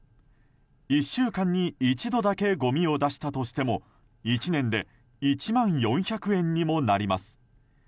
１週間に１度だけごみを出したとしても１年で１万４００円にもなります。